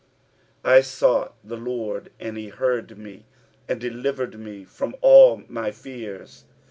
4 I sought the LORD, and he heard me, and delivered me from all my fears.